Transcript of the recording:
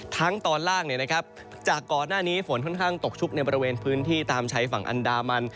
ตอนล่างจากก่อนหน้านี้ฝนค่อนข้างตกชุกในบริเวณพื้นที่ตามชายฝั่งอันดามัน